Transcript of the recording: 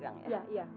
jalan lagi yuk